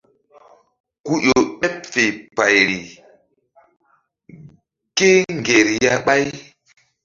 Ku ƴo ɓeɓ fe payri kéŋger ya ɓáy.